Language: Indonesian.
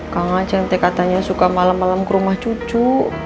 kang acing te katanya suka malem malem ke rumah cucu